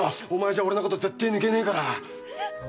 お前じゃ俺のこと絶対抜けねえから！